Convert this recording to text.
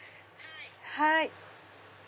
はい。